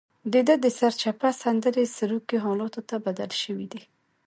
دده د سرچپه سندرې سروکي حالاتو ته بدل شوي دي.